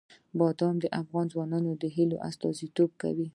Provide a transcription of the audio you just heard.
بادام د افغان ځوانانو د هیلو استازیتوب کوي.